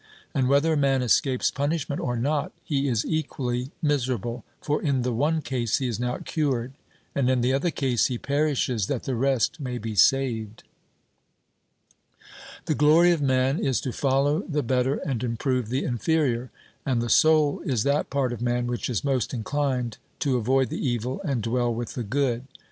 And whether a man escapes punishment or not, he is equally miserable; for in the one case he is not cured, and in the other case he perishes that the rest may be saved. The glory of man is to follow the better and improve the inferior. And the soul is that part of man which is most inclined to avoid the evil and dwell with the good.